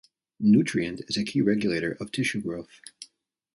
Nutrient is a key regulator of tissue growth.